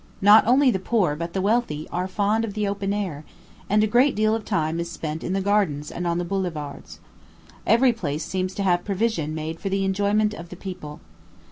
Not only the poor, but the wealthy, are fond of the open air; and a great deal of time is spent in the gardens and on the boulevards. Every place seems to have provision made for the enjoyment of the people.